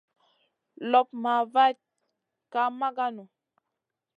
Loɓ ma vayd ka maganou.